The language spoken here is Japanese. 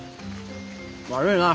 悪いなぁ。